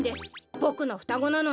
ボクのふたごなのに。